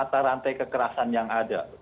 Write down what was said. kita harus tetap memiliki kekerasan yang ada